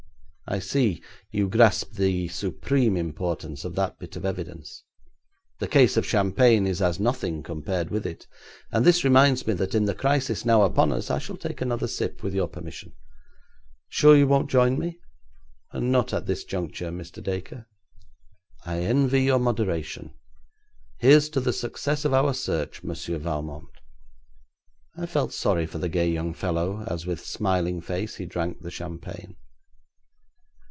I see, you grasp the supreme importance of that bit of evidence. The case of champagne is as nothing compared with it, and this reminds me that in the crisis now upon us I shall take another sip, with your permission. Sure you won't join me?' 'Not at this juncture, Mr. Dacre.' 'I envy your moderation. Here's to the success of our search, Monsieur Valmont.' I felt sorry for the gay young fellow as with smiling face he drank the champagne.